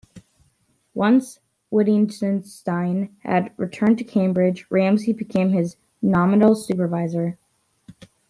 Once Wittgenstein had returned to Cambridge, Ramsey became his nominal supervisor.